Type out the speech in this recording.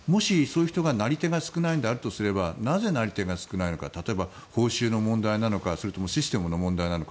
なり手が少ないのであればなぜなり手が少ないのか例えば、報酬の問題なのかそれともシステムの問題なのか。